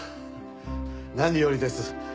何よりです。